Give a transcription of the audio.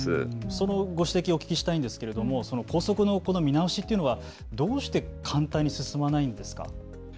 そのご指摘をお聞きしたいんですが校則の見直しというのはどうして簡単に進まないんですか。